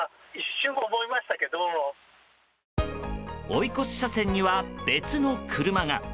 追い越し車線には別の車が。